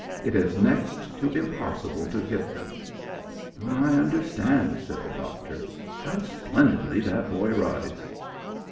It is next to impossible to hit them." "I understand," said the doctor. "How splendidly that boy rides!"